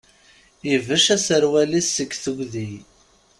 Ibecc aserwal-is seg tugdi.